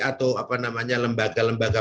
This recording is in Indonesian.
atau apa namanya lembaga lembaga